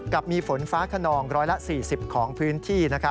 กับมีฝนฟ้าขนอง๑๔๐ของพื้นที่